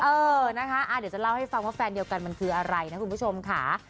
เออนะคะเดี๋ยวจะเล่าให้ฟังว่าแฟนเดียวกันมันคืออะไรนะคุณผู้ชมค่ะ